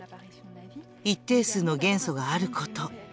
一定数の元素があること。